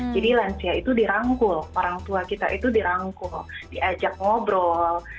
jadi lansia itu dirangkul orang tua kita itu dirangkul diajak ngobrol